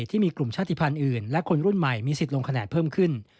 ที่มีกลุ่มชาติภัณฑ์อื่นและคนรุ่นใหม่มีสิทธิ์ลงคะแนนเพิ่มขึ้น